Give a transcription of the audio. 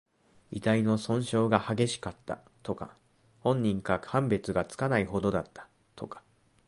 遺体の損傷が激しかった、とか。本人か判別がつかないほどだった、とか。